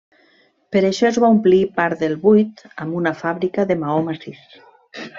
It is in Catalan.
Per això es va omplir part del buit amb una fàbrica de maó massís.